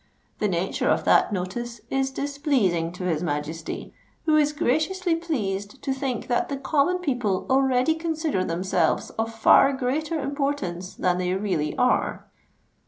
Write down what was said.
The nature of that notice is displeasing to his Majesty, who is graciously pleased to think that the common people already consider themselves of far greater importance than they really are."